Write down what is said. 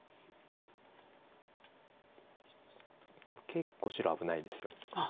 結構白危ないんです。